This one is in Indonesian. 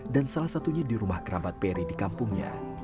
dan salah satunya di rumah kerabat perry di kampungnya